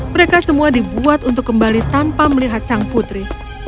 mereka semua dibuat untuk kembali tanpa melihat sang putri